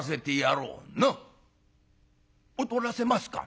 「踊らせますか？」。